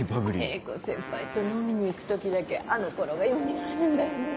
英子先輩と飲みに行く時だけあの頃がよみがえるんだよね。